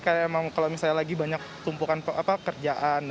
karena emang kalau misalnya lagi banyak tumpukan kerjaan